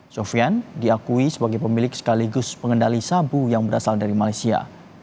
sofian diakui sebagai pemilik sekaligus pengendali sabu yang berasal dari malaysia